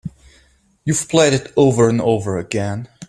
You've played it over and over again.